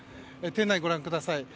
店内、ご覧ください。